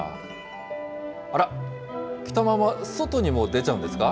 あら、着たまま外にも出ちゃうんですか？